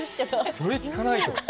それを聞かないと。